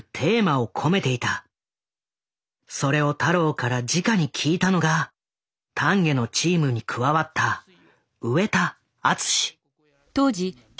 それを太郎からじかに聞いたのが丹下のチームに加わった上田篤。